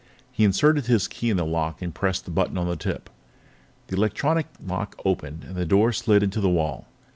He inserted his key in the lock and pressed the button on the tip. The electronic lock opened, and the door slid into the wall.